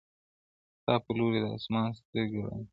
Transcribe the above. ستا پر لوري د اسمان سترګي ړندې دي-